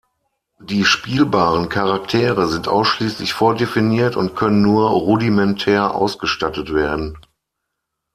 Die spielbaren Charaktere sind ausschließlich vordefiniert und können nur rudimentär ausgestattet werden.